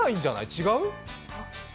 違う？